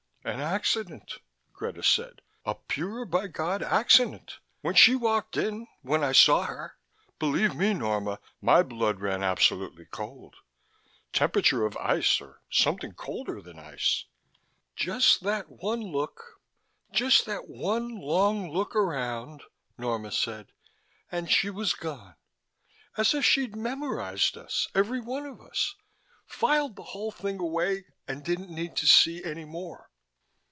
"An accident," Greta said. "A pure by God accident. When she walked in, when I saw her, believe me, Norma, my blood ran absolutely cold. Temperature of ice, or something colder than ice." "Just that one look, just that one long look around." Norma said, "and she was gone. As if she'd memorized us, every one of us, filed the whole thing away and didn't need to see any more."